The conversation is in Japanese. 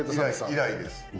以来です。